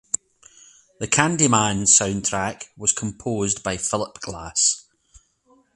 The "Candyman" soundtrack was composed by Philip Glass.